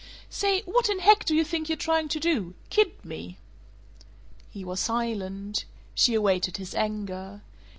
"Say what in heck do you think you're trying to do? Kid me?" He was silent. She awaited his anger.